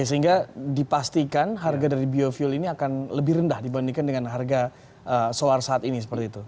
sehingga dipastikan harga dari biofuel ini akan lebih rendah dibandingkan dengan harga solar saat ini seperti itu